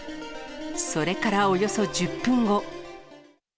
それからおよそ１０分後。